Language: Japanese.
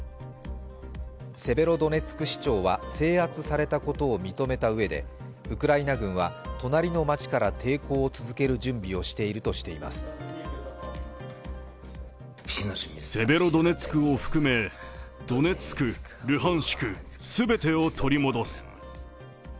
セベロドネツク市長は制圧されたことを認めたうえでウクライナ軍は隣の町から抵抗を続ける準備をしているということです。